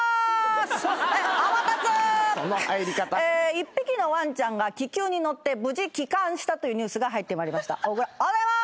一匹のワンちゃんが気球に乗って無事帰還したというニュースが入ってまいりました。